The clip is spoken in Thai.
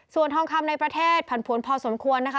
ส่วนทองคำในประเทศผันผวนพอสมควรนะคะ